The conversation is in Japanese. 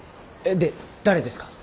で誰ですか？